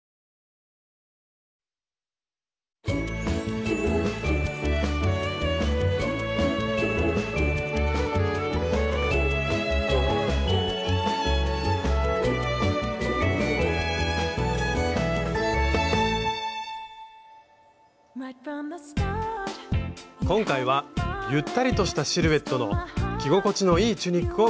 今回はゆったりとしたシルエットの着心地のいいチュニックをご紹介します。